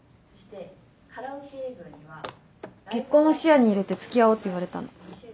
「結婚を視野に入れて付き合おう」って言われたの。